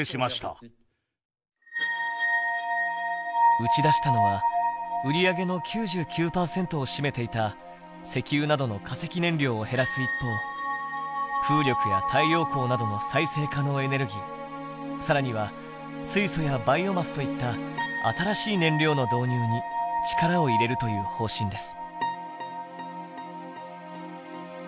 打ち出したのは売り上げの９９％を占めていた石油などの化石燃料を減らす一方風力や太陽光などの再生可能エネルギー更には水素やバイオマスといった新しい燃料の導入に力を入れるという方針です。